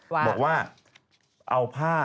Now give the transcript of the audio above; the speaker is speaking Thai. บอกว่าเอาผ้า